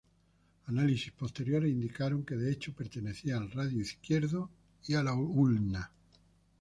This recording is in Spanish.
Análisis posteriores indicaron que de hecho pertenecían al radio izquierdo y a la ulna.